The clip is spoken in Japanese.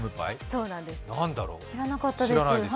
知らなかったです。